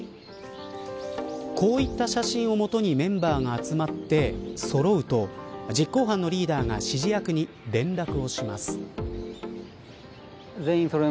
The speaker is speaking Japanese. こういった写真を基にメンバーが集まってそろうと、実行犯のリーダーが指示役に連絡をします。